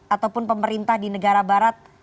ataupun pemerintah di negara barat